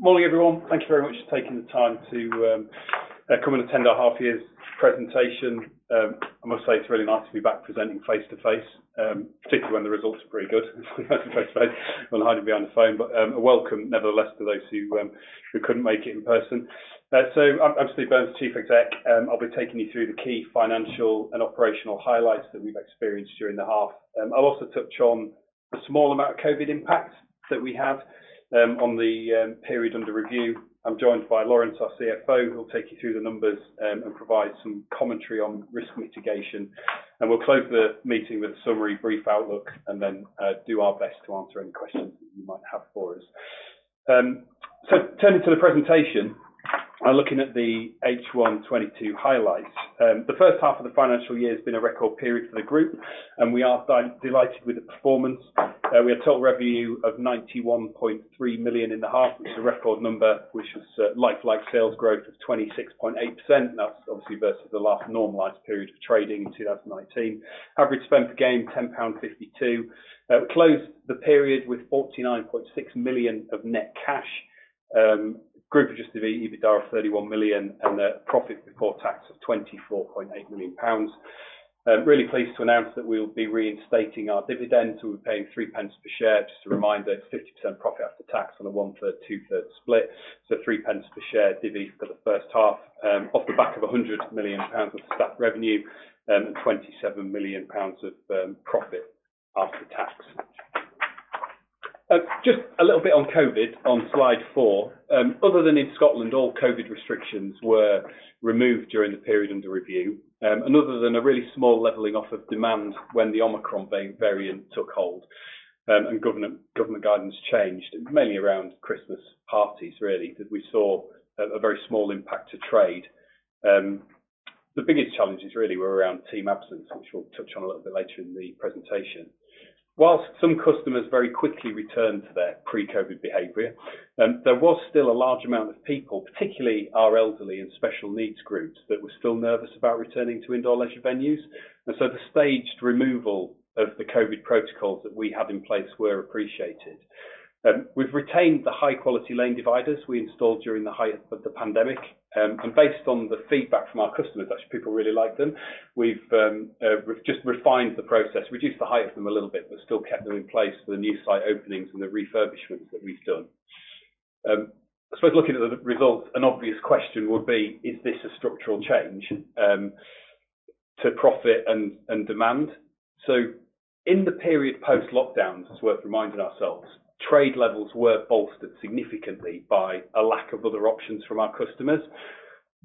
Morning, everyone. Thank you very much for taking the time to come and attend our half year's presentation. I must say it's really nice to be back presenting face-to-face, particularly when the results are pretty good face-to-face. I'm hiding behind the phone, but a welcome nevertheless to those who couldn't make it in person. I'm Stephen Burns, Chief Executive. I'll be taking you through the key financial and operational highlights that we've experienced during the half. I'll also touch on the small amount of COVID impact that we have on the period under review. I'm joined by Laurence, our CFO, who will take you through the numbers and provide some commentary on risk mitigation. We'll close the meeting with a summary, brief outlook and then do our best to answer any questions that you might have for us. Turning to the presentation, looking at the H1 2022 highlights. The first half of the financial year has been a record period for the group, and we are delighted with the performance. We had total revenue of 91.3 million in the half. It's a record number, which is like-for-like sales growth of 26.8%. That's obviously versus the last normalized period of trading in 2019. Average spend per game, 10.52 pound. We closed the period with 49.6 million of net cash. Group-adjusted EBITDA of 31 million and profit before tax of 24.8 million pounds. I'm really pleased to announce that we'll be reinstating our dividend. We'll be paying 3 pence per share. Just a reminder, it's 50% profit after tax on a one-third, two-thirds split. Three pence per share divvy for the first half, off the back of 100 million pounds of total revenue and 27 million pounds of profit after tax. Just a little bit on COVID on slide four. Other than in Scotland, all COVID restrictions were removed during the period under review. Other than a really small leveling off of demand when the Omicron variant took hold, and government guidance changed, mainly around Christmas parties really, because we saw a very small impact to trade. The biggest challenges really were around team absence, which we'll touch on a little bit later in the presentation. While some customers very quickly returned to their pre-COVID behavior, there was still a large amount of people, particularly our elderly and special needs groups, that were still nervous about returning to indoor leisure venues. The staged removal of the COVID protocols that we had in place were appreciated. We've retained the high quality lane dividers we installed during the height of the pandemic. And based on the feedback from our customers, actually people really like them. We've just refined the process, reduced the height of them a little bit, but still kept them in place for the new site openings and the refurbishments that we've done. I suppose looking at the results, an obvious question would be, is this a structural change to profit and demand? In the period post-lockdown, it's worth reminding ourselves, trade levels were bolstered significantly by a lack of other options from our customers.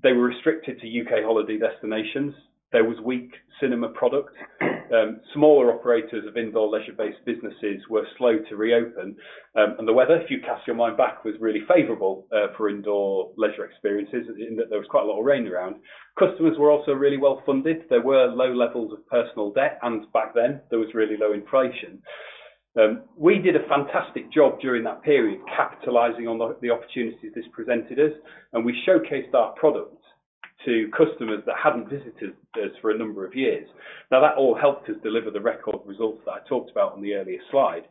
They were restricted to U.K. holiday destinations. There was weak cinema product. Smaller operators of indoor leisure-based businesses were slow to reopen. and the weather, if you cast your mind back, was really favorable, for indoor leisure experiences in that there was quite a lot of rain around. Customers were also really well-funded. There were low levels of personal debt, and back then there was really low inflation. We did a fantastic job during that period, capitalizing on the opportunities this presented us, and we showcased our product to customers that hadn't visited us for a number of years. Now, that all helped us deliver the record results that I talked about on the earlier slide.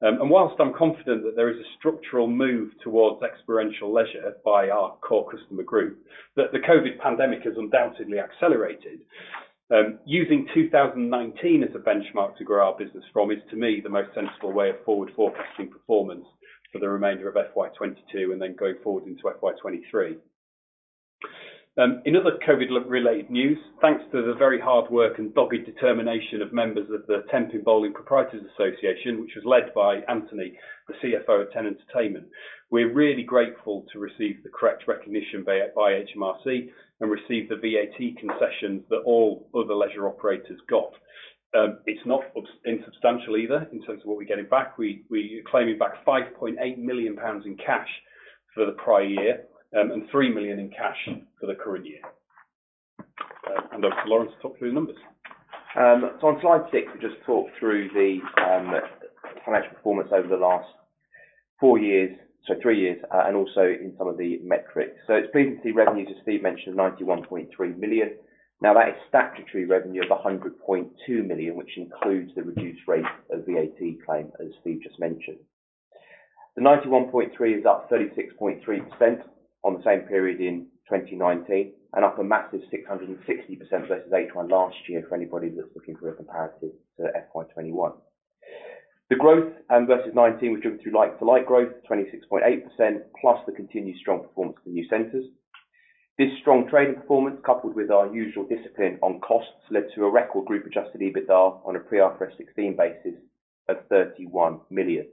While I'm confident that there is a structural move towards experiential leisure by our core customer group, the COVID pandemic has undoubtedly accelerated. Using 2019 as a benchmark to grow our business from is, to me, the most sensible way forward for forecasting performance for the remainder of FY 2022 and then going forward into FY 2023. In other COVID-related news, thanks to the very hard work and dogged determination of members of the Tenpin Bowling Proprietors' Association, which was led by Anthony, the CFO at Ten Entertainment Group. We're really grateful to receive the correct recognition by HMRC and receive the VAT concessions that all other leisure operators got. It's not insubstantial either in terms of what we're getting back. We're claiming back 5.8 million pounds in cash for the prior year, and 3 million in cash for the current year. Hand over to Laurence to talk through the numbers. On slide six, we just talk through the financial performance over the last four years, so three years, and also in some of the metrics. It's pre-IFRS 16 revenues, as Steve mentioned, 91.3 million. Now that is statutory revenue of 100.2 million, which includes the reduced rate of VAT claim, as Steve just mentioned. The 91.3 million is up 36.3% on the same period in 2019 and up a massive 660% versus H1 last year for anybody that's looking for a comparative to FY 2021. The growth versus 2019 was driven through like-for-like growth, 26.8%, plus the continued strong performance for new centers. This strong trading performance, coupled with our usual discipline on costs, led to a record group-adjusted EBITDA on a pre-IFRS 16 basis of 31 million.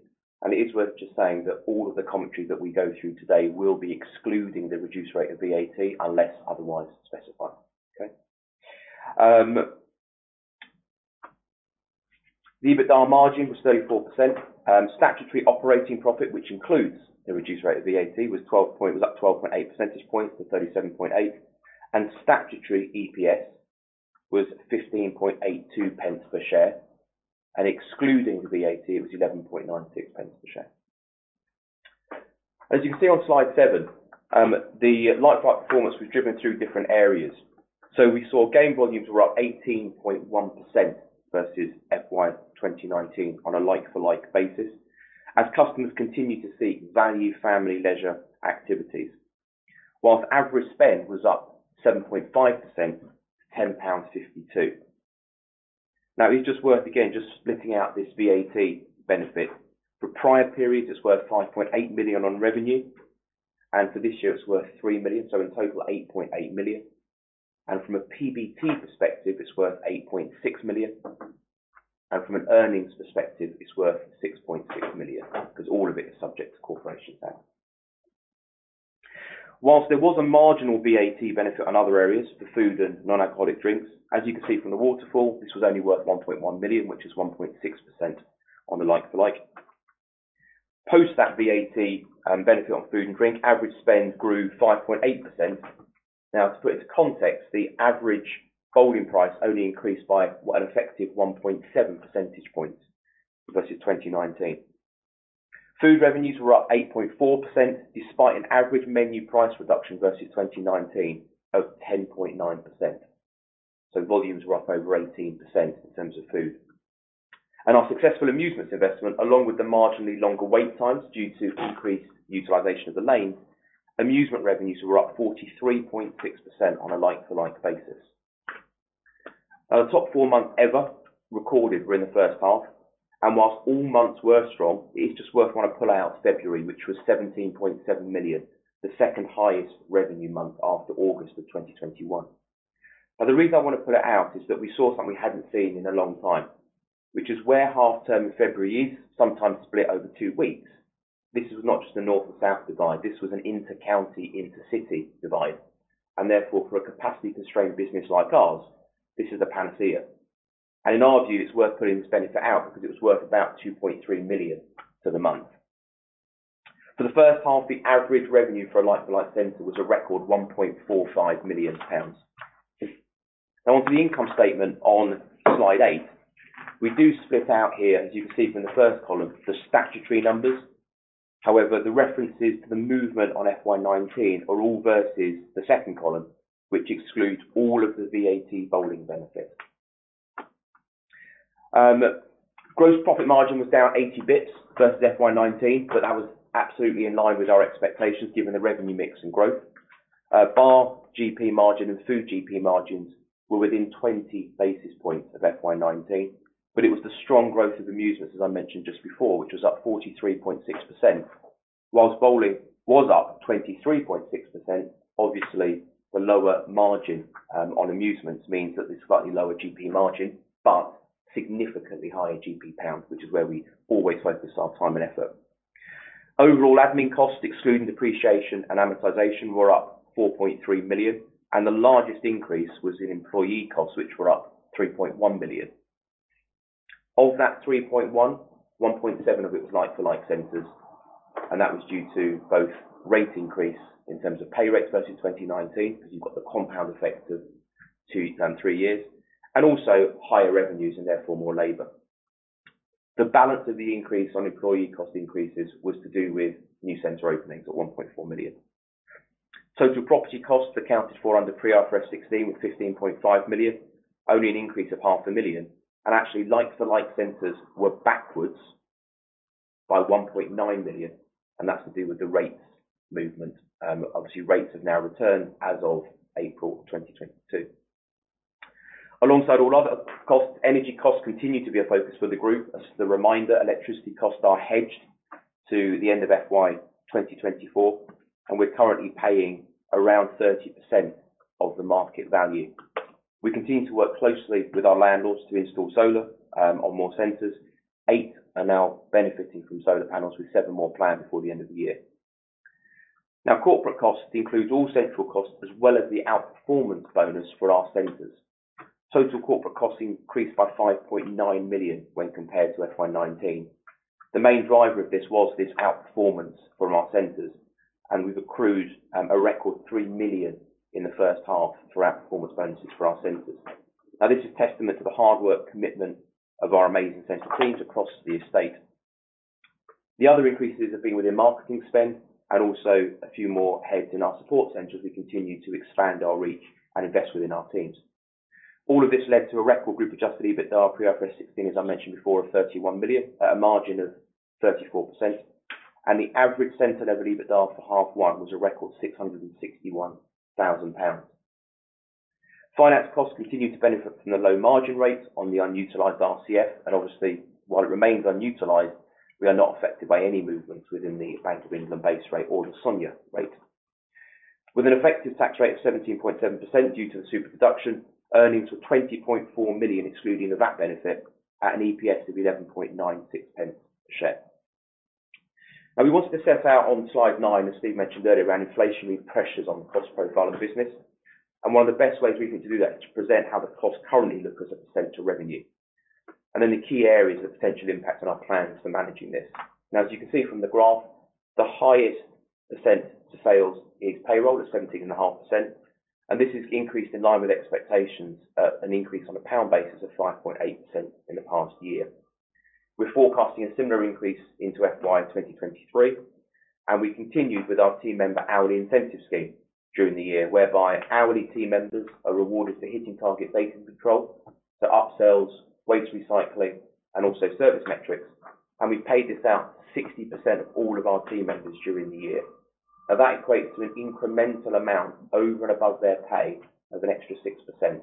It is worth just saying that all of the commentary that we go through today will be excluding the reduced rate of VAT unless otherwise specified. Okay. The EBITDA margin was 34%. Statutory operating profit, which includes the reduced rate of VAT, was up 12.8 percentage points to 37.8. Statutory EPS was 15.82 pence per share, and excluding the VAT, it was 11.96 pence per share. As you can see on slide seven, the like-for-like performance was driven through different areas. We saw game volumes were up 18.1% versus FY 2019 on a like-for-like basis as customers continue to seek value family leisure activities, while average spend was up 7.5% to 10.52 pounds. Now it is just worth again, just splitting out this VAT benefit. For prior periods, it's worth 5.8 million on revenue, and for this year it's worth 3 million. In total 8.8 million. From a PBT perspective, it's worth 8.6 million. From an earnings perspective, it's worth 6.6 million because all of it is subject to corporation tax. While there was a marginal VAT benefit in other areas for food and non-alcoholic drinks, as you can see from the waterfall, this was only worth 1.1 million, which is 1.6% on the like for like. Post that VAT benefit on food and drink, average spend grew 5.8%. Now to put it in context, the average bowling price only increased by an effective 1.7 percentage points versus 2019. Food revenues were up 8.4% despite an average menu price reduction versus 2019 of 10.9%. Volumes were up over 18% in terms of food. Our successful amusements investment, along with the marginally longer wait times due to increased utilization of the lane, amusement revenues were up 43.6% on a like-for-like basis. Now the top four months ever recorded were in the first half, and while all months were strong, it is just worth wanting to pull out February, which was 17.7 million, the second highest revenue month after August of 2021. Now the reason I want to pull it out is that we saw something we hadn't seen in a long time, which is where half term in February is sometimes split over two weeks. This was not just a north or south divide, this was an intercounty, intercity divide, and therefore for a capacity constrained business like ours, this is a panacea. In our view, it's worth putting this benefit out because it was worth about 2.3 million for the month. For the first half, the average revenue for a like for like center was a record 1.45 million pounds. Now onto the income statement on slide eight. We do split out here, as you can see from the first column, the statutory numbers. However, the references to the movement on FY 2019 are all versus the second column, which excludes all of the VAT bowling benefit. Gross profit margin was down 80 basis points versus FY 2019, but that was absolutely in line with our expectations given the revenue mix and growth. Our GP margin and food GP margins were within 20 basis points of FY 2019. It was the strong growth of amusements, as I mentioned just before, which was up 43.6%. Whilst bowling was up 23.6%, obviously the lower margin on amusements means that there's slightly lower GP margin, but significantly higher GP pounds, which is where we always focus our time and effort. Overall admin costs, excluding depreciation and amortization, were up 4.3 million, and the largest increase was in employee costs, which were up 3.1 million. Of that 3.1 million, 1.7 million of it was like for like centers, and that was due to both rate increase in terms of pay rates versus 2019, because you've got the compound effect of two, three years, and also higher revenues and therefore more labor. The balance of the increase on employee cost increases was to do with new center openings at 1.4 million. Total property costs accounted for under IFRS 16 were 15.5 million, only an increase of GBP half a million. Actually like for like centers were backwards by 1.9 million, and that's to do with the rates movement. Obviously rates have now returned as of April 2022. Alongside all other costs, energy costs continue to be a focus for the group. As a reminder, electricity costs are hedged to the end of FY 2024, and we're currently paying around 30% of the market value. We continue to work closely with our landlords to install solar on more centers. Eight are now benefiting from solar panels with seven more planned before the end of the year. Corporate costs includes all central costs as well as the outperformance bonus for our centers. Total corporate costs increased by 5.9 million when compared to FY 2019. The main driver of this was this outperformance from our centers, and we've accrued a record 3 million in the first half for outperformance bonuses for our centers. This is testament to the hard work commitment of our amazing center teams across the estate. The other increases have been within marketing spend and also a few more heads in our support center as we continue to expand our reach and invest within our teams. All of this led to a record group adjusted EBITDA pre-IFRS 16, as I mentioned before, of 31 million at a margin of 34%. The average center level EBITDA for half one was a record 661,000 pounds. Finance costs continued to benefit from the low margin rates on the unutilized RCF, and obviously while it remains unutilized, we are not affected by any movements within the Bank of England base rate or the SONIA rate. With an effective tax rate of 17.7% due to the super-deduction, earnings of 20.4 million excluding the VAT benefit at an EPS of 11.96 pence a share. Now we wanted to set out on slide nine, as Steve mentioned earlier, around inflationary pressures on the cost profile of the business. One of the best ways we can do that is to present how the costs currently look as a % of revenue, and then the key areas of potential impact on our plans for managing this. Now as you can see from the graph, the highest % of sales is payroll at 17.5%, and this has increased in line with expectations at an increase on a pound basis of 5.8% in the past year. We're forecasting a similar increase into FY 2023, and we continued with our team member hourly incentive scheme during the year, whereby hourly team members are rewarded for hitting target base and control to upsells, waste recycling, and also service metrics. We paid this out 60% of all of our team members during the year. Now, that equates to an incremental amount over and above their pay of an extra 6%.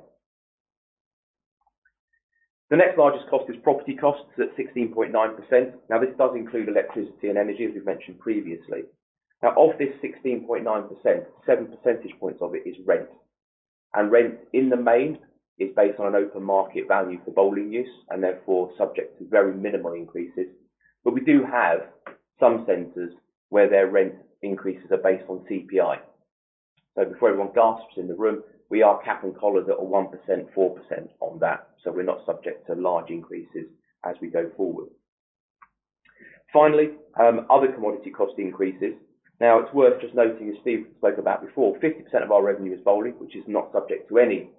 The next largest cost is property costs at 16.9%. Now, this does include electricity and energy, as we've mentioned previously. Now, of this 16.9%, 7 percentage points of it is rent. Rent, in the main, is based on an open market value for bowling use, and therefore, subject to very minimal increases. We do have some centers where their rent increases are based on CPI. Before everyone gasps in the room, we are cap and collared at a 1%, 4% on that, so we're not subject to large increases as we go forward. Finally, other commodity cost increases. Now, it's worth just noting, as Steve spoke about before, 50% of our revenue is bowling, which is not subject to any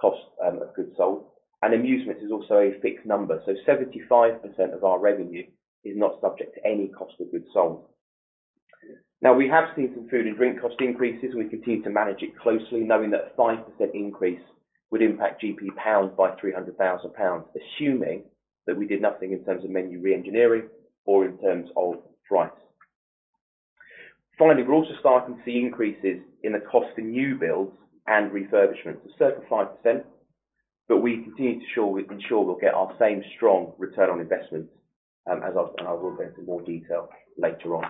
cost of goods sold, and amusements is also a fixed number. 75% of our revenue is not subject to any cost of goods sold. Now, we have seen some food and drink cost increases. We continue to manage it closely, knowing that a 5% increase would impact GP pounds by 300 thousand pounds, assuming that we did nothing in terms of menu reengineering or in terms of price. Finally, we're also starting to see increases in the cost of new builds and refurbishments of circa 5%, but we continue to we ensure we'll get our same strong return on investment, and I will go into more detail later on.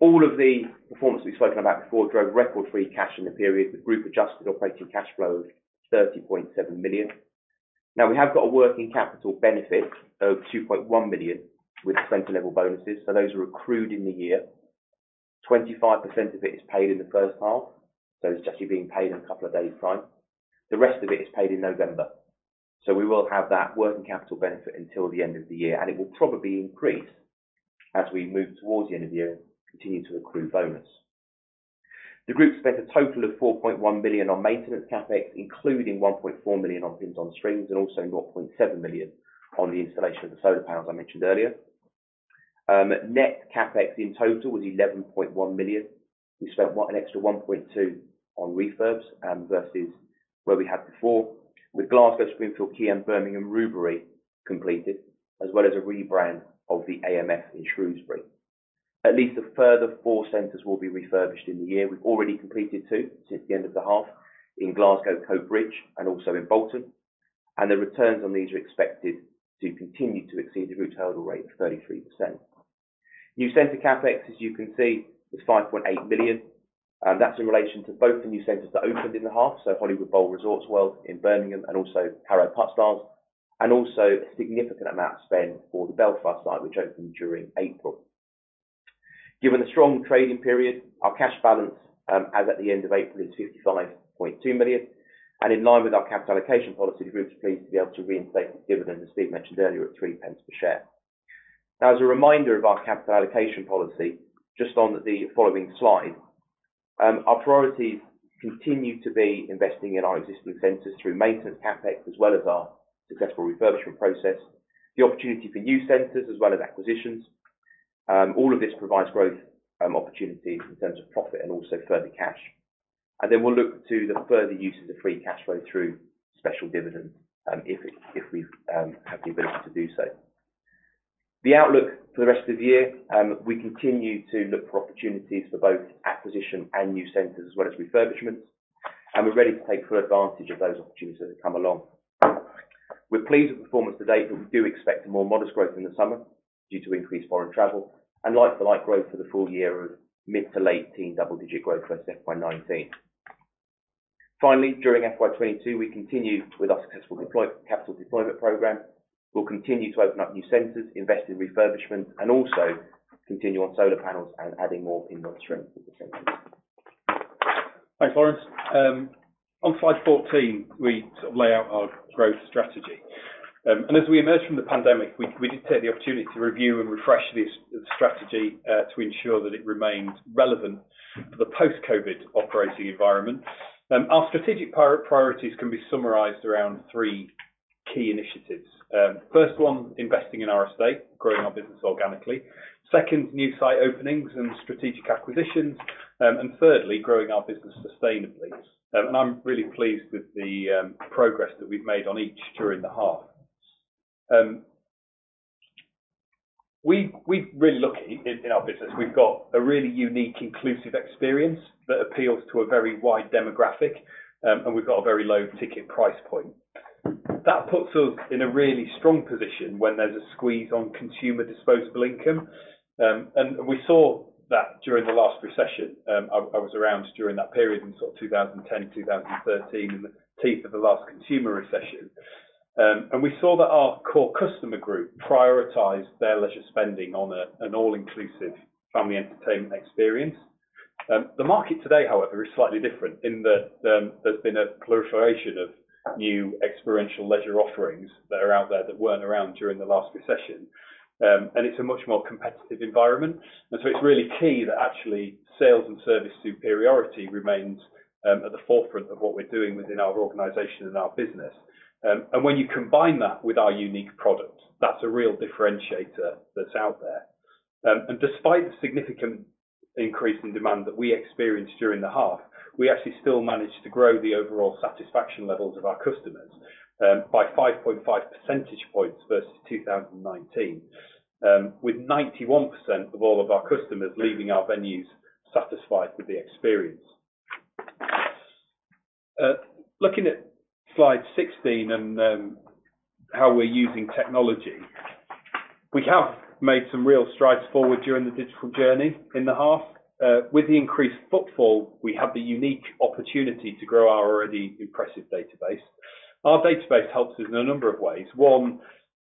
All of the performance we've spoken about before drove record free cash in the period with group adjusted operating cash flow of 30.7 million. Now, we have got a working capital benefit of 2.1 million with center-level bonuses, so those are accrued in the year. 25% of it is paid in the first half, so it's actually being paid in a couple of days time. The rest of it is paid in November. We will have that working capital benefit until the end of the year, and it will probably increase as we move towards the end of the year, continue to accrue bonus. The group spent a total of 4.1 million on maintenance CapEx, including 1.4 million on Pins on Strings and also 0.7 million on the installation of the solar panels I mentioned earlier. Net CapEx in total was 11.1 million. We spent an extra 1.2 on refurbs versus where we had before, with Glasgow, Springfield Quay, Keighley, and Birmingham Rubery completed, as well as a rebrand of the AMF in Shrewsbury. At least a further four centers will be refurbished in the year. We have already completed two since the end of the half in Glasgow, Coatbridge and also in Bolton. The returns on these are expected to continue to exceed the group's hurdle rate of 33%. New center CapEx, as you can see, was 5.8 million. That's in relation to both the new centers that opened in the half, so Hollywood Bowl Resorts World in Birmingham and also Harrow Puttstars, and also a significant amount spent for the Belfast site, which opened during April. Given the strong trading period, our cash balance as at the end of April is 55.2 million, and in line with our capital allocation policy, the group is pleased to be able to reinstate the dividend, as Steve mentioned earlier, at 0.03 per share. Now, as a reminder of our capital allocation policy, just on the following slide, our priorities continue to be investing in our existing centers through maintenance CapEx, as well as our successful refurbishment process, the opportunity for new centers as well as acquisitions. All of this provides growth opportunities in terms of profit and also further cash. Then we'll look to the further use of the free cash flow through special dividends, if we have the ability to do so. The outlook for the rest of the year, we continue to look for opportunities for both acquisition and new centers as well as refurbishments, and we're ready to take full advantage of those opportunities as they come along. We're pleased with performance to date, but we do expect a more modest growth in the summer due to increased foreign travel and like-for-like growth for the full year of mid- to late-teens double-digit growth versus FY 2019. Finally, during FY 2022, we continue with our successful capital deployment program. We'll continue to open up new centers, invest in refurbishment, and also continue on solar panels and adding more pins on strings at the centers. Thanks, Laurence. On slide 14, we sort of lay out our growth strategy. As we emerged from the pandemic, we did take the opportunity to review and refresh this strategy to ensure that it remained relevant for the post-COVID operating environment. Our strategic priorities can be summarized around three key initiatives. First one, investing in our estate, growing our business organically. Second, new site openings and strategic acquisitions. Thirdly, growing our business sustainably. I'm really pleased with the progress that we've made on each during the half. We're really lucky in our business. We've got a really unique, inclusive experience that appeals to a very wide demographic, and we've got a very low ticket price point. That puts us in a really strong position when there's a squeeze on consumer disposable income, and we saw that during the last recession. I was around during that period in sort of 2010, 2013, the teeth of the last consumer recession. We saw that our core customer group prioritized their leisure spending on an all-inclusive family entertainment experience. The market today, however, is slightly different in that there's been a proliferation of new experiential leisure offerings that are out there that weren't around during the last recession. It's a much more competitive environment. It's really key that actually sales and service superiority remains at the forefront of what we're doing within our organization and our business. When you combine that with our unique product, that's a real differentiator that's out there. Despite the significant increase in demand that we experienced during the half, we actually still managed to grow the overall satisfaction levels of our customers by 5.5 percentage points versus 2019, with 91% of all of our customers leaving our venues satisfied with the experience. Looking at slide 16 and how we're using technology, we have made some real strides forward during the digital journey in the half. With the increased footfall, we have the unique opportunity to grow our already impressive database. Our database helps us in a number of ways. One,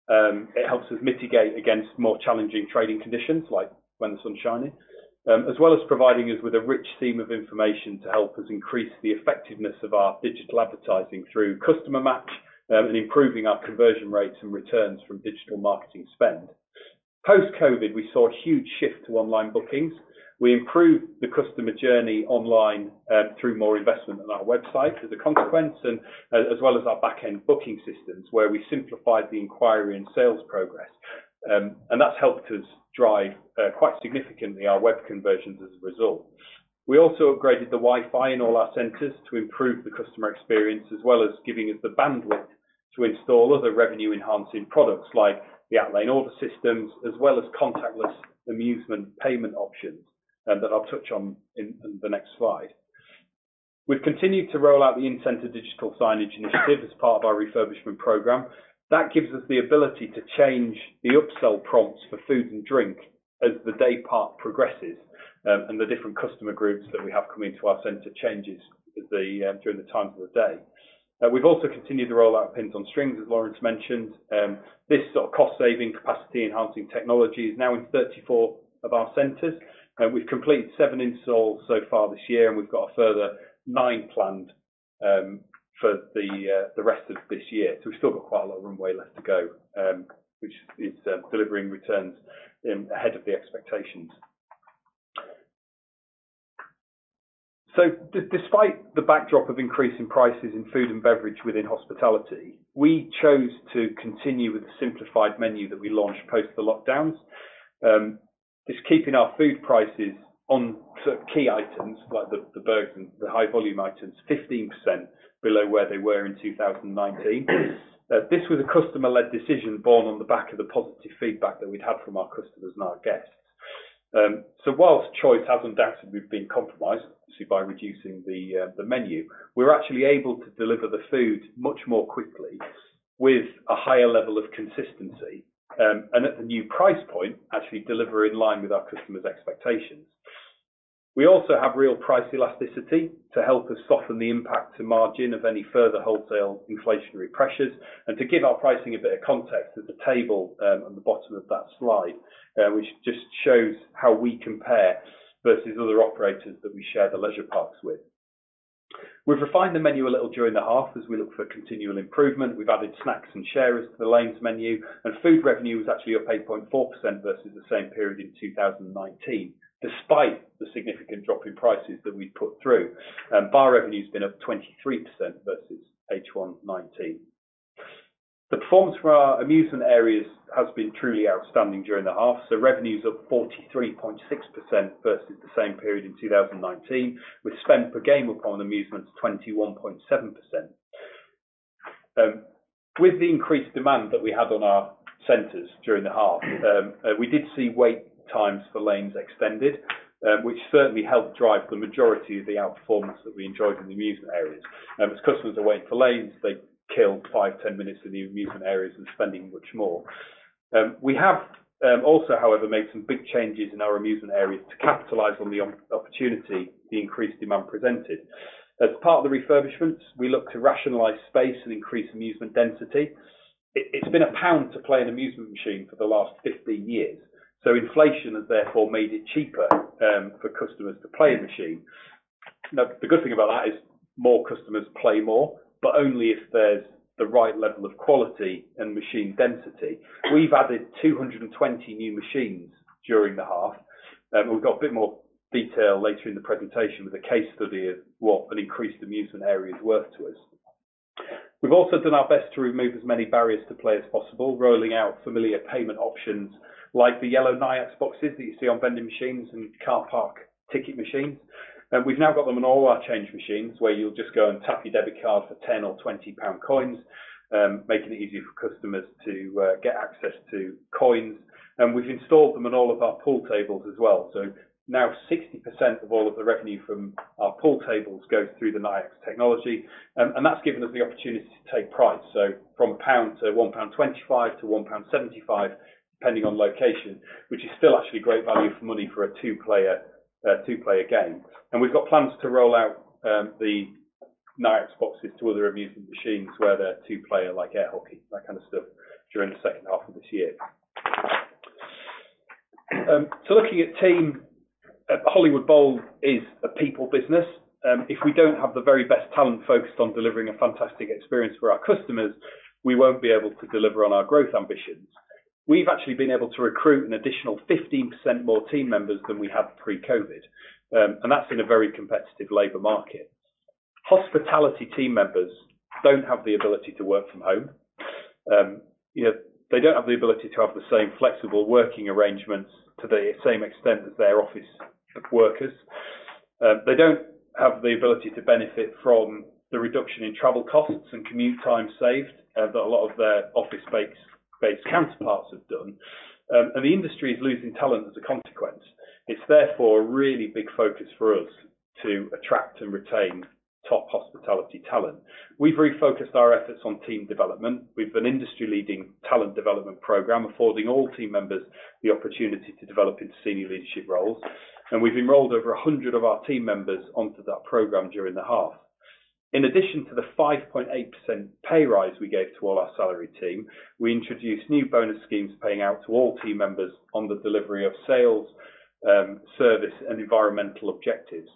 it helps us mitigate against more challenging trading conditions like when the sun's shining, as well as providing us with a rich seam of information to help us increase the effectiveness of our digital advertising through customer match, and improving our conversion rates and returns from digital marketing spend. Post-COVID, we saw a huge shift to online bookings. We improved the customer journey online, through more investment on our website as a consequence and as well as our back-end booking systems, where we simplified the inquiry and sales progress. That's helped us drive quite significantly our web conversions as a result. We also upgraded the Wi-Fi in all our centers to improve the customer experience, as well as giving us the bandwidth to install other revenue-enhancing products like the lane order systems as well as contactless amusement payment options, that I'll touch on in the next slide. We've continued to roll out the in-center digital signage initiative as part of our refurbishment program. That gives us the ability to change the upsell prompts for food and drink as the day part progresses, and the different customer groups that we have coming to our center changes the during the times of the day. We've also continued to roll out pins on strings, as Laurence mentioned. This sort of cost-saving, capacity-enhancing technology is now in 34 of our centers, and we've completed 7 installs so far this year, and we've got a further 9 planned for the rest of this year. We've still got quite a lot of runway left to go, which is delivering returns ahead of the expectations. Despite the backdrop of increasing prices in food and beverage within hospitality, we chose to continue with the simplified menu that we launched post the lockdowns. It's keeping our food prices on key items like the burgers and the high volume items 15% below where they were in 2019. This was a customer-led decision born on the back of the positive feedback that we'd had from our customers and our guests. While choice hasn't doubted we've been compromised, obviously by reducing the menu, we're actually able to deliver the food much more quickly with a higher level of consistency, and at the new price point, actually deliver in line with our customers' expectations. We also have real price elasticity to help us soften the impact to margin of any further wholesale inflationary pressures and to give our pricing a bit of context at the table, on the bottom of that slide, which just shows how we compare versus other operators that we share the leisure parks with. We've refined the menu a little during the half as we look for continual improvement. We've added snacks and sharers to the lanes menu, and food revenue was actually up 8.4% versus the same period in 2019, despite the significant drop in prices that we put through. Bar revenue's been up 23% versus H1 2019. The performance for our amusement areas has been truly outstanding during the half. Revenue's up 43.6% versus the same period in 2019, with spend per game upon amusements 21.7%. With the increased demand that we had on our centers during the half, we did see wait times for lanes extended, which certainly helped drive the majority of the outperformance that we enjoyed in the amusement areas. As customers are waiting for lanes, they kill 5-10 minutes in the amusement areas and spending much more. We have also however made some big changes in our amusement areas to capitalize on the opportunity the increased demand presented. As part of the refurbishments, we look to rationalize space and increase amusement density. It's been GBP 1 to play an amusement machine for the last 15 years, so inflation has therefore made it cheaper for customers to play a machine. Now, the good thing about that is more customers play more, but only if there's the right level of quality and machine density. We've added 220 new machines during the half. We've got a bit more detail later in the presentation with a case study of what an increased amusement area is worth to us. We've also done our best to remove as many barriers to play as possible, rolling out familiar payment options like the yellow Nayax boxes that you see on vending machines and parking lot ticket machines. We've now got them on all our change machines, where you'll just go and tap your debit card for 10- or 20-pound coins, making it easier for customers to get access to coins. We've installed them on all of our pool tables as well. Now 60% of all of the revenue from our pool tables goes through the Nayax technology, and that's given us the opportunity to take price. From 1 pound to 1.25 pound to 1.75, depending on location, which is still actually great value for money for a two-player game. We've got plans to roll out the Nayax boxes to other amusement machines where they're two-player like air hockey, that kind of stuff, during the second half of this year. Looking at team, Hollywood Bowl is a people business. If we don't have the very best talent focused on delivering a fantastic experience for our customers, we won't be able to deliver on our growth ambitions. We've actually been able to recruit an additional 15% more team members than we had pre-COVID, and that's in a very competitive labor market. Hospitality team members don't have the ability to work from home. You know, they don't have the ability to have the same flexible working arrangements to the same extent as their office workers. They don't have the ability to benefit from the reduction in travel costs and commute time saved that a lot of their office-based counterparts have done. The industry is losing talent as a consequence. It's therefore a really big focus for us to attract and retain top hospitality talent. We've refocused our efforts on team development. We've an industry-leading talent development program affording all team members the opportunity to develop into senior leadership roles, and we've enrolled over 100 of our team members onto that program during the half. In addition to the 5.8% pay rise we gave to all our salaried team, we introduced new bonus schemes paying out to all team members on the delivery of sales, service, and environmental objectives.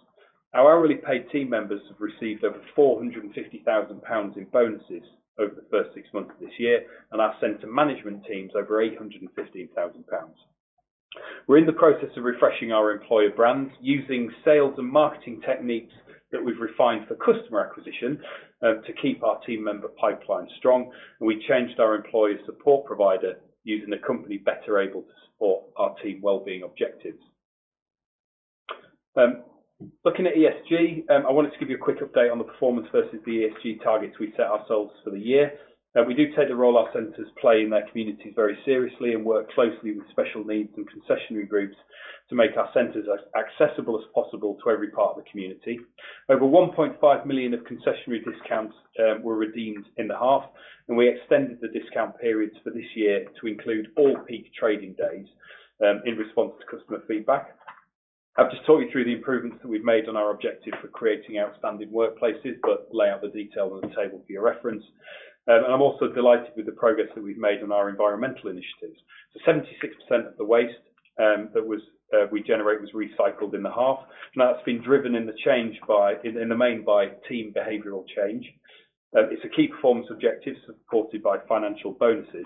Our hourly paid team members have received over 450,000 pounds in bonuses over the first six months of this year, and our center management team's over 815,000 pounds. We're in the process of refreshing our employer brand using sales and marketing techniques that we've refined for customer acquisition to keep our team member pipeline strong, and we changed our employee support provider using a company better able to support our team well-being objectives. Looking at ESG, I wanted to give you a quick update on the performance versus the ESG targets we set ourselves for the year. Now we do take the role our centers play in their communities very seriously and work closely with special needs and concessionary groups to make our centers as accessible as possible to every part of the community. Over 1.5 million of concessionary discounts were redeemed in the half, and we extended the discount periods for this year to include all peak trading days in response to customer feedback. I've just talked you through the improvements that we've made on our objective for creating outstanding workplaces, but lay out the details on the table for your reference. I'm also delighted with the progress that we've made on our environmental initiatives. 76% of the waste that we generate was recycled in the half. Now that's been driven by the change, in the main, by team behavioral change. It's a key performance objective supported by financial bonuses.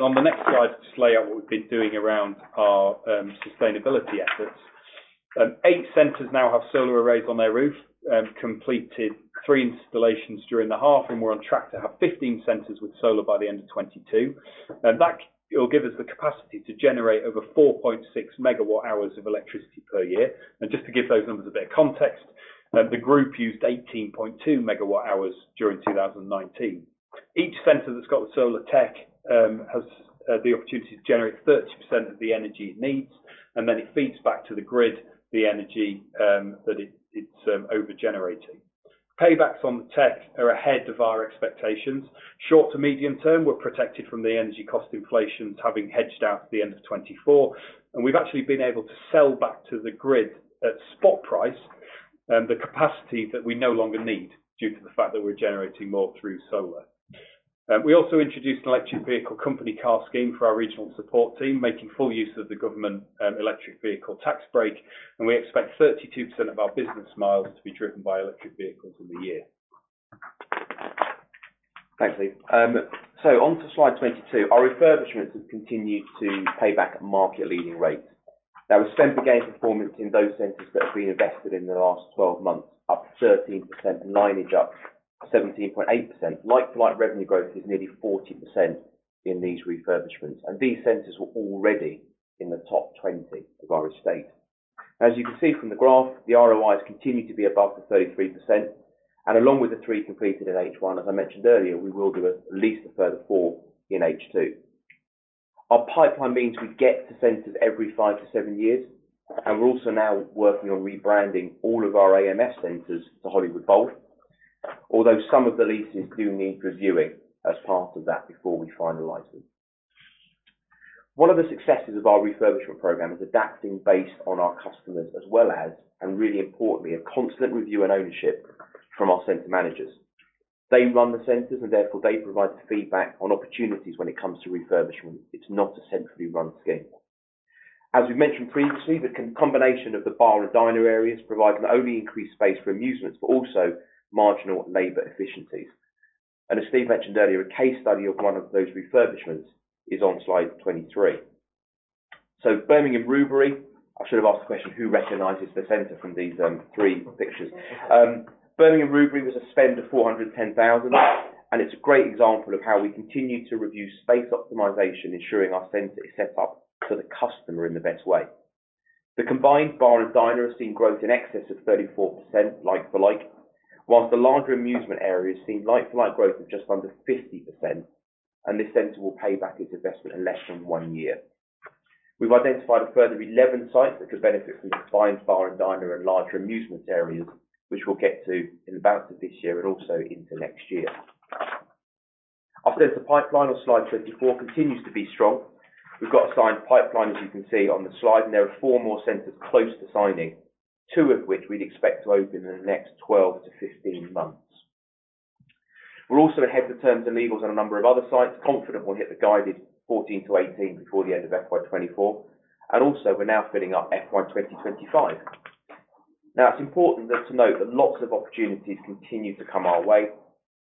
On the next slide, just lay out what we've been doing around our sustainability efforts. Eight centers now have solar arrays on their roof, completed three installations during the half, and we're on track to have 15 centers with solar by the end of 2022. That will give us the capacity to generate over 4.6 MWh of electricity per year. Just to give those numbers a bit of context, the group used 18.2 MWh during 2019. Each center that's got solar tech has the opportunity to generate 30% of the energy it needs, and then it feeds back to the grid the energy that it is over generating. Paybacks on the tech are ahead of our expectations. Short to medium term, we're protected from the energy cost inflations having hedged out at the end of 2024, and we've actually been able to sell back to the grid at spot price, the capacity that we no longer need due to the fact that we're generating more through solar. We also introduced an electric vehicle company car scheme for our regional support team, making full use of the government, electric vehicle tax break, and we expect 32% of our business miles to be driven by electric vehicles in the year. Thanks, Steve. Onto slide 22. Our refurbishments have continued to pay back at market leading rates. Now we're simply gaining performance in those centers that have been invested in the last 12 months, up 13% and like-for-like up 17.8%. Like-for-like revenue growth is nearly 40% in these refurbishments, and these centers were already in the top 20 of our estate. As you can see from the graph, the ROIs continue to be above 33%, and along with the 3 completed in H1, as I mentioned earlier, we will do at least a further 4 in H2. Our pipeline means we get to centers every 5-7 years, and we're also now working on rebranding all of our AMF centers to Hollywood Bowl. Although some of the leases do need reviewing as part of that before we finalize them. One of the successes of our refurbishment program is adapting based on our customers as well as, and really importantly, a constant review and ownership from our center managers. They run the centers, and therefore they provide the feedback on opportunities when it comes to refurbishment. It's not a centrally run scheme. As we've mentioned previously, the combination of the bar and diner areas provide not only increased space for amusements, but also marginal labor efficiencies. As Steve mentioned earlier, a case study of one of those refurbishments is on slide 23. Birmingham Rubery, I should have asked the question, who recognizes the center from these three pictures? Birmingham Rubery was a spend of 410,000, and it's a great example of how we continue to review space optimization, ensuring our center is set up for the customer in the best way. The combined bar and diner has seen growth in excess of 34% like for like, while the larger amusement area has seen like for like growth of just under 50%, and this center will pay back its investment in less than one year. We've identified a further 11 sites which will benefit from the combined bar and diner and larger amusement areas, which we'll get to in the balance of this year and also into next year. I've said the pipeline on slide 24 continues to be strong. We've got a signed pipeline, as you can see on the slide, and there are 4 more centers close to signing, 2 of which we'd expect to open in the next 12-15 months. We're also ahead of the terms and legals on a number of other sites, confident we'll hit the guided 14-18 before the end of FY 2024, and also we're now filling up FY 2025. It's important to note that lots of opportunities continue to come our way.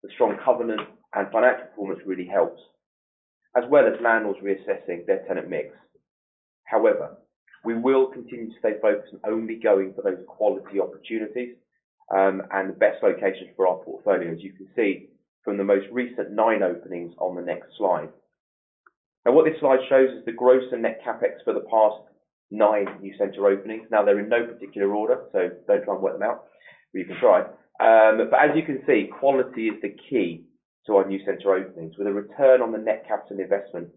The strong covenant and financial performance really helps, as well as landlords reassessing their tenant mix. However, we will continue to stay focused on only going for those quality opportunities, and the best locations for our portfolio, as you can see from the most recent nine openings on the next slide. Now what this slide shows is the gross and net CapEx for the past nine new center openings. Now they're in no particular order, so don't try and work them out, but you can try. But as you can see, quality is the key to our new center openings, with a return on the net capital investment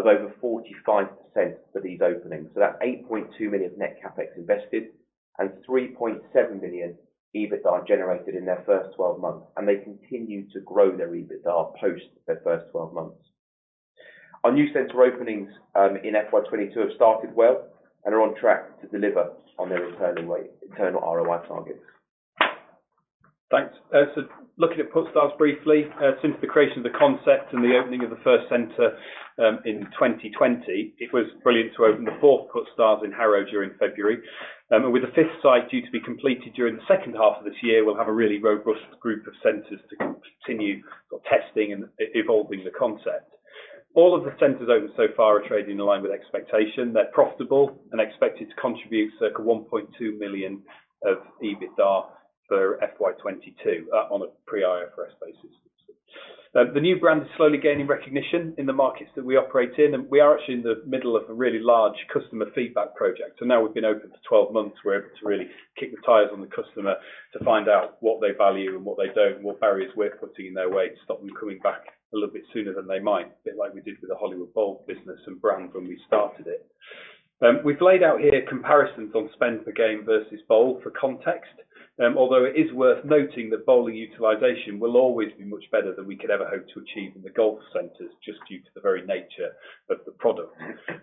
of over 45% for these openings. That's 8.2 million of net CapEx invested and 3.7 million EBITDA generated in their first 12 months, and they continue to grow their EBITDA post their first 12 months. Our new center openings in FY 2022 have started well and are on track to deliver on their internal ROI targets. Thanks. Looking at Puttstars briefly. Since the creation of the concept and the opening of the first center in 2020, it was brilliant to open the fourth Puttstars in Harrow during February. With the fifth site due to be completed during the second half of this year, we'll have a really robust group of centers to continue testing and evolving the concept. All of the centers opened so far are trading in line with expectation. They're profitable and expected to contribute circa 1.2 million of EBITDA for FY 2022 on a pre-IFRS 16 basis. Now, the new brand is slowly gaining recognition in the markets that we operate in, and we are actually in the middle of a really large customer feedback project. Now we've been open for 12 months, we're able to really kick the tires on the customer to find out what they value and what they don't and what barriers we're putting in their way to stop them coming back a little bit sooner than they might. A bit like we did with the Hollywood Bowl business and brand when we started it. We've laid out here comparisons on spend per game versus bowl for context, although it is worth noting that bowling utilization will always be much better than we could ever hope to achieve in the golf centers, just due to the very nature of the product.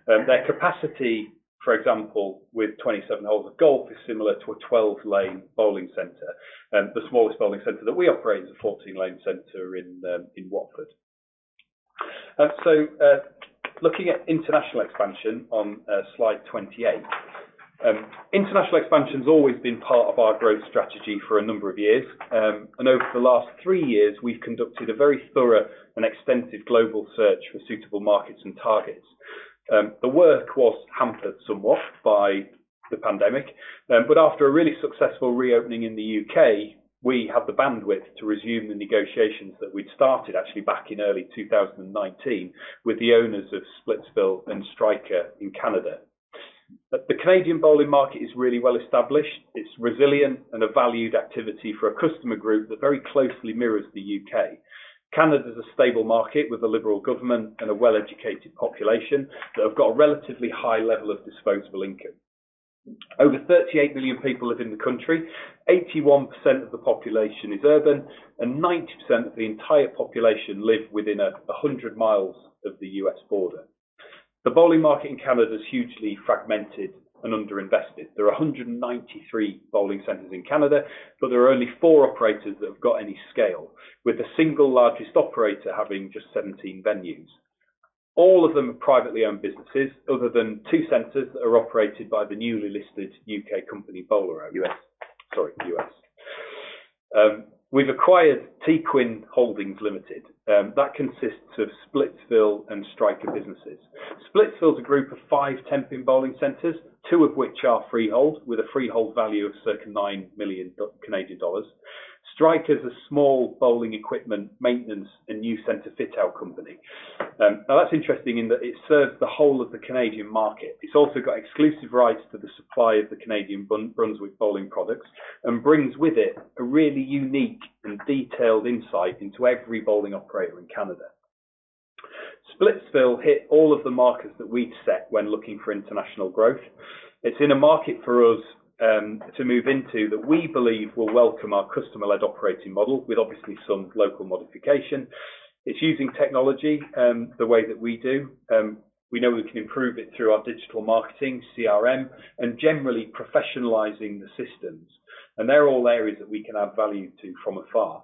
Their capacity, for example, with 27 holes of golf is similar to a 12-lane bowling center. The smallest bowling center that we operate is a 14-lane center in Watford. Looking at international expansion on slide 28. International expansion's always been part of our growth strategy for a number of years. Over the last 3 years, we've conducted a very thorough and extensive global search for suitable markets and targets. The work was hampered somewhat by the pandemic, but after a really successful reopening in the U.K., we have the bandwidth to resume the negotiations that we'd started actually back in early 2019 with the owners of Splitsville and Striker in Canada. The Canadian bowling market is really well established. It's resilient and a valued activity for a customer group that very closely mirrors the U.K. Canada's a stable market with a liberal government and a well-educated population that have got a relatively high level of disposable income. Over 38 million people live in the country. 81% of the population is urban, and 90% of the entire population live within 100 miles of the U.S. border. The bowling market in Canada is hugely fragmented and underinvested. There are 193 bowling centers in Canada, but there are only four operators that have got any scale, with the single largest operator having just 17 venues. All of them are privately owned businesses, other than two centers that are operated by the newly listed U.K. company, Bowlero. We've acquired Teaquinn Holdings Inc, that consists of Splitsville and Striker businesses. Splitsville is a group of 5 ten-pin bowling centers, 2 of which are freehold, with a freehold value of circa 9 million Canadian dollars. Striker is a small bowling equipment maintenance and new center fit out company. Now that's interesting in that it serves the whole of the Canadian market. It's also got exclusive rights to the supply of the Canadian Brunswick bowling products and brings with it a really unique and detailed insight into every bowling operator in Canada. Splitsville hit all of the markets that we'd set when looking for international growth. It's in a market for us to move into that we believe will welcome our customer-led operating model with obviously some local modification. It's using technology the way that we do. We know we can improve it through our digital marketing, CRM, and generally professionalizing the systems. They're all areas that we can add value to from afar.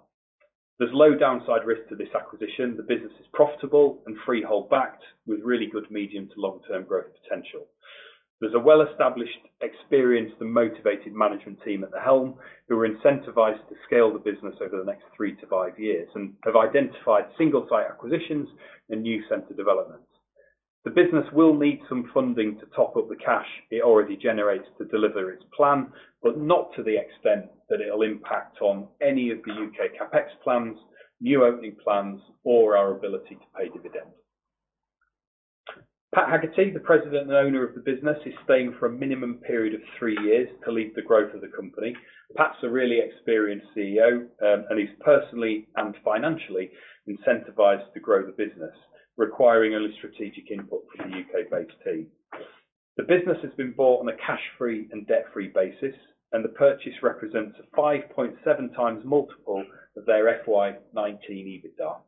There's low downside risk to this acquisition. The business is profitable and freehold backed with really good medium to long-term growth potential. There's a well-established, experienced and motivated management team at the helm who are incentivized to scale the business over the next three to five years and have identified single site acquisitions and new center developments. The business will need some funding to top up the cash it already generates to deliver its plan, but not to the extent that it'll impact on any of the U.K. CapEx plans, new opening plans, or our ability to pay dividends. Pat Haggerty, the President and owner of the business, is staying for a minimum period of three years to lead the growth of the company. Pat's a really experienced CEO, and he's personally and financially incentivized to grow the business, requiring only strategic input from the U.K. based team. The business has been bought on a cash-free and debt-free basis, and the purchase represents a 5.7x multiple of their FY 2019 EBITDA.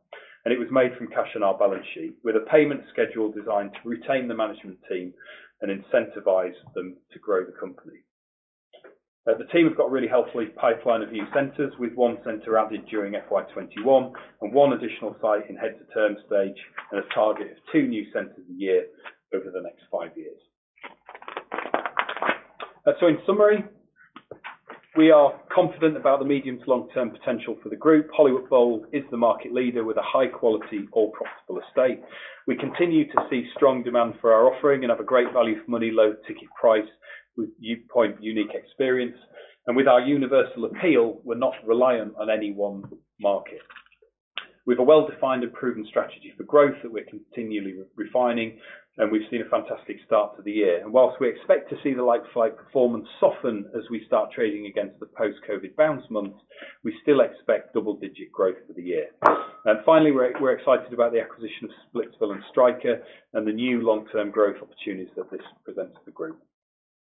It was made from cash on our balance sheet with a payment schedule designed to retain the management team and incentivize them to grow the company. The team have got a really healthy pipeline of new centers, with one center added during FY 2021 and one additional site in heads of terms stage and a target of two new centers a year over the next five years. In summary, we are confident about the medium- to long-term potential for the group. Hollywood Bowl is the market leader with a high-quality, all-profitable estate. We continue to see strong demand for our offering and have a great value for money, low ticket price with unique experience. With our universal appeal, we're not reliant on any one market. We've a well-defined and proven strategy for growth that we're continually refining and we've seen a fantastic start to the year. Whilst we expect to see the like for like performance soften as we start trading against the post COVID bounce months, we still expect double-digit growth for the year. Finally, we're excited about the acquisition of Splitsville and Striker and the new long-term growth opportunities that this presents to the group.